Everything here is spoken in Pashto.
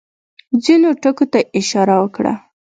ځینو ټکو ته یې اشاره وکړه.